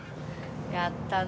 やったな。